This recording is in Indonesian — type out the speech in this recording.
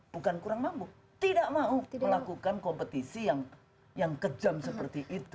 bukan kurang mampu tidak mau melakukan kompetisi yang kejam seperti itu